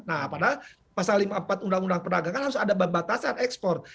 nah pada pasal lima puluh empat uu pernagangan harus ada pembatasan ekspor